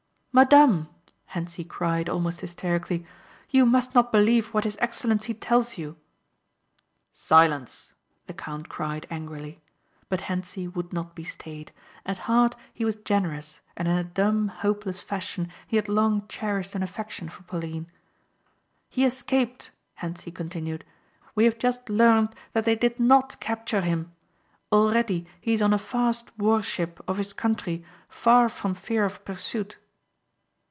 "Madame," Hentzi cried almost hysterically. "You must not believe what his excellency tells you." "Silence," the count cried angrily. But Hentzi would not be stayed. At heart he was generous and in a dumb, hopeless fashion he had long cherished an affection for Pauline. "He escaped," Hentzi continued, "We have just learned that they did not capture him. Already he is on a fast war ship of his country far from fear of pursuit."